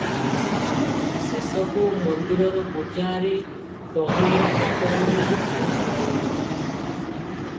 ଶେଷକୁ ମନ୍ଦିରର ପୂଜାହାରୀ ଟହଲିଆ ଚାକରମାନେ ବି ଛାଡ଼ି ପଳାଇଲେଣି ।